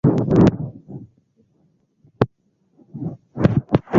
Kifupi hakuna asili bila yeye.